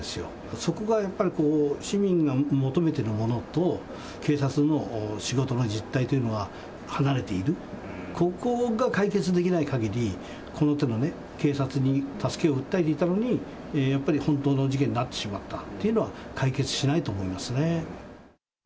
そこがやっぱり市民が求めてるものと、警察の仕事の実態というのは離れている、ここが解決できないかぎり、この手の警察に助けを訴えていたのに、やっぱり本当の事件になってしまったというのは解決しないと思いますね。